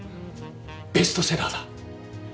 ベストセラーだ！